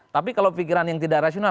tapi kalau pikiran yang tidak rasional